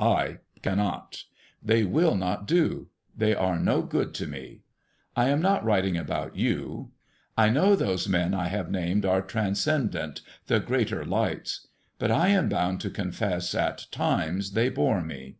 I cannot. They will not do they are no good to me. I am not writing about you. I know those men I have named are transcendent, the greater lights. But I am bound to confess at times they bore me.